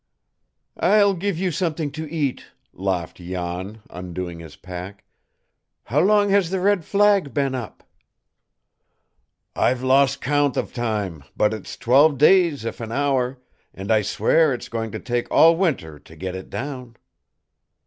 "I'll give you something to eat," laughed Jan, undoing his pack. "How long has the red flag been up?" "I've lost all count of time, but it's twelve days, if an hour, and I swear it's going to take all winter to get it down!"